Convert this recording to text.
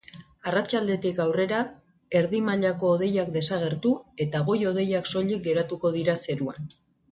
Arratsaldetik aurrera erdi mailako hodeiak desagertu eta goi-hodeiak soilik geratuko dira zeruan.